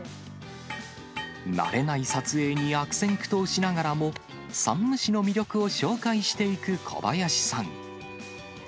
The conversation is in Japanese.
慣れない撮影に悪戦苦闘しながらも山武市を魅力を紹介していく小林さん。